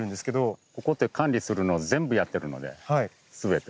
ここって管理するのを全部やってるのですべて。